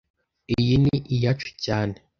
Iyi ni iyacu cyane